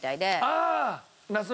ああ！